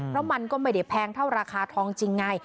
เพราะมันก็ไม่ได้แพงเท่าราคาทองจริงไง